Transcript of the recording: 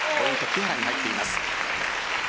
木原に入っています。